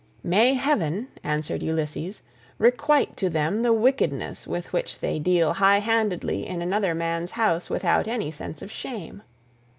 "May heaven," answered Ulysses, "requite to them the wickedness with which they deal high handedly in another man's house without any sense of shame."